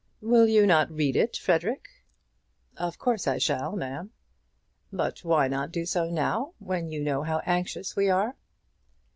"Will you not read it, Frederic?" "Of course I shall, ma'am." "But why not do so now, when you know how anxious we are?"